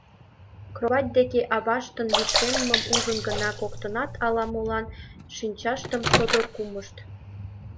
Кровать деке аваштын лишеммым ужын гына коктынат ала-молан шинчаштым содор кумышт.